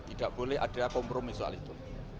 tidak boleh ada kompromi soal itu